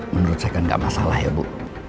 menurut saya kan tidak masalah ya bu